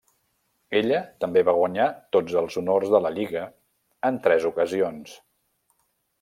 Ella també va guanyar tots els honors de la lliga en tres ocasions.